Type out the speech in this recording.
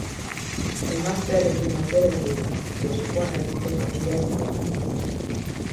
Emaztearekin batera heldu da, eskuan aginte-makila zuela.